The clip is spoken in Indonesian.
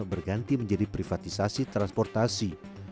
berganti menjadi privatisasi transportasi